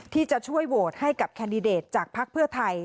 ที่จะช่วยโหวตให้กับแคนดิเดตจากภักดิ์เพื่อไทย